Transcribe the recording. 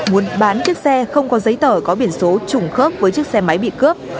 muốn bán chiếc xe không có giấy tờ có biển số trùng khớp với chiếc xe máy bị cướp